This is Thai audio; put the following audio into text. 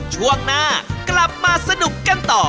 ช่วงหน้ากลับมาสนุกกันต่อ